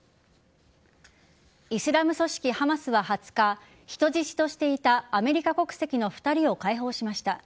イスラム組織・ハマスは２０日人質としていたアメリカ国籍の２人を解放しました。